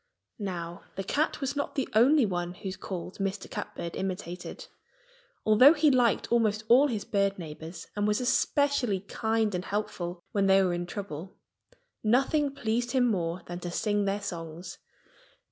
Now, the cat was not the only one whose calls Mr. Catbird imitated. Although he liked almost all his bird neighbors and was especially kind and helpful when they were in trouble, nothing pleased him more than to sing their songs.